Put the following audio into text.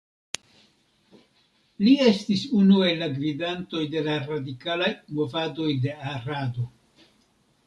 Li estis unu el la gvidantoj de la radikalaj movadoj de Arado.